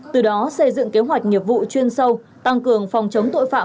từ đó xây dựng kế hoạch nghiệp vụ chuyên sâu tăng cường phòng chống tội phạm